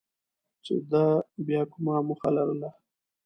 چې ده بیا کومه موخه لرله.